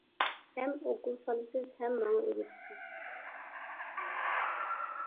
ھەم ئوكۇل سالىسىز ھەم ماڭا ئۆگىتىسىز.